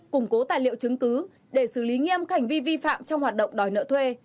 củng cố tài liệu chứng cứ để xử lý nghiêm các hành vi vi phạm trong hoạt động đòi nợ thuê